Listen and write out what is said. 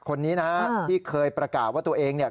คนนี้นะฮะที่เคยประกาศว่าตัวเองเนี่ย